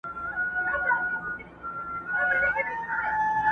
ته به سوځې په دې اور کي ډېر یې نور دي سوځولي!!